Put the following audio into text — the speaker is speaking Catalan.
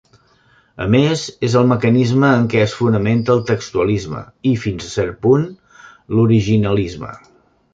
A més, és el mecanisme en què es fonamenta el textualisme i, fins a cert punt, l'originalisme.